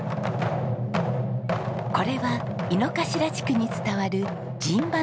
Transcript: これは猪之頭地区に伝わる陣馬の滝太鼓。